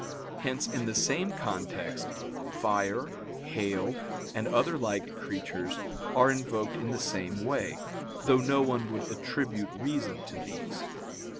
Hence in the same context, fire, hail, and other like creatures, are invoked in the same way, though no one would attribute reason to these.